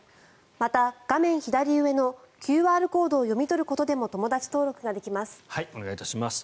また、画面左上のＱＲコードを読み取ることでもお願いいたします。